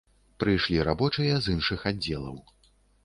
Прыйшлі рабочыя з іншых аддзелаў.